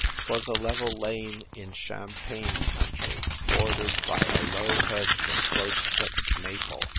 'Twas a level iane in champaign country, bordered by a low hedge of close clipped maple.